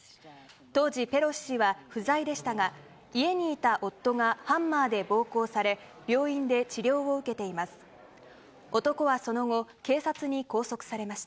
当時、ペロシ氏は不在でしたが、家にいた夫がハンマーで暴行され、病院で治療を受けています。